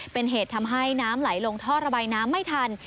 เป็นเหตุทำให้น้ำไหลลงท่อระบายน้ำไม่ทัน